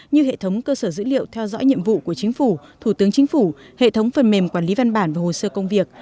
như hệ thống cơ sở dữ liệu theo dõi nhiệm vụ của chính phủ thủ tướng chính phủ hệ thống phần mềm quản lý văn bản và hồ sơ công việc